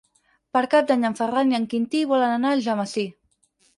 Per Cap d'Any en Ferran i en Quintí volen anar a Algemesí.